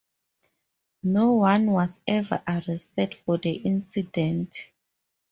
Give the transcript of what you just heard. No one was ever arrested for the incident.